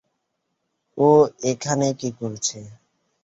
ও এখানে কী করছে?